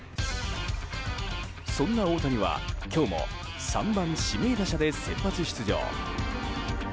そんな大谷は今日も３番指名打者で先発出場。